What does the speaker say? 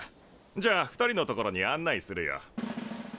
じゃあ２人の所に案内するよ。